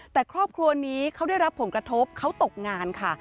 แต่ครอบครัวนี้เขาได้รับผลกระทบเขาตกงานค่ะ